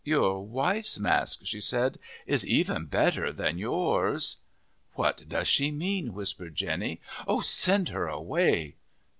"Your wife's mask," she said, "is even better than yours." "What does she mean?" whispered Jenny. "Oh, send her away!"